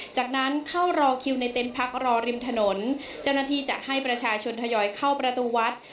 จากนั้นเข้ารอคิวในเต็นต์พักรอริมถนนเจ้าหน้าที่จะให้ประชาชนทยอยเข้าประตูวัด